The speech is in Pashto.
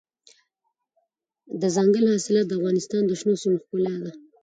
دځنګل حاصلات د افغانستان د شنو سیمو ښکلا ده.